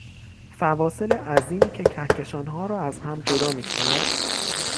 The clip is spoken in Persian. فواصل عظیمی که کهکشانها را از هم جدا میکند